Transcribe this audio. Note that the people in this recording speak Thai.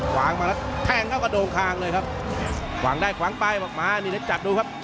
หวังมาแล้วแทงเข้ากระโดงคางเลยครับหวังได้หวังไปมันนี่ละจัดดูครับ